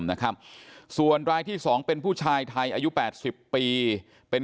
นะครับส่วนรายที่๒เป็นผู้ชายไทยอายุ๘๐ปีเป็น